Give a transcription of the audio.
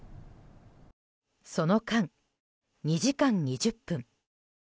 その間、２時間２０分。